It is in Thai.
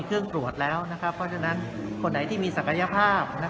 เครื่องตรวจแล้วเพราะฉะนั้นคนไหนที่มีศักยภาพ